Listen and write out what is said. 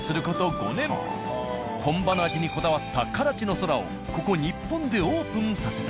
本場の味にこだわった「カラチの空」をここ日本でオープンさせた。